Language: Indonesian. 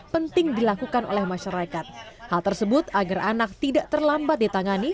penting dilakukan oleh masyarakat